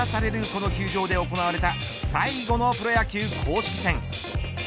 この球場で行われた最後のプロ野球公式戦。